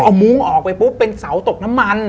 เอามุ้งออกไปปุ๊บเป็นเสาตกน้ำมัน